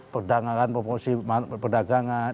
perdagangan promosi perdagangan